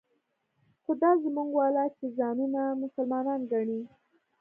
خو دا زموږ والا چې ځانونه مسلمانان ګڼي.